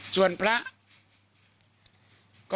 ส่วนพระก็